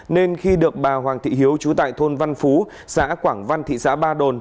nên khi được bà hoàng thị hiếu trú tại thôn văn phú xã quảng văn thị xã ba đồn